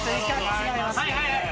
はいはいはい！